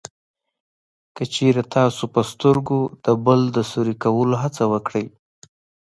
که چېرې تاسې په سترګو د بل د سوري کولو هڅه وکړئ